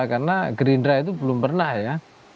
karena gerindra itu belum pernah ya